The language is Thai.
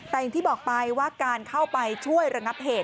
แต่อย่างที่บอกไปว่าการเข้าไปช่วยระงับเหตุ